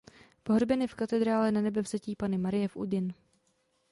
Pohřben je v katedrále Nanebevzetí Panny Marie v Udine.